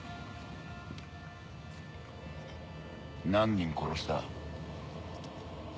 何人殺した？